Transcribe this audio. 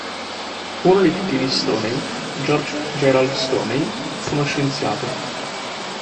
Uno dei figli di Stoney, George Gerald Stoney, fu uno scienziato.